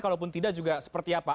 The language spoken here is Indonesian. kalaupun tidak juga seperti apa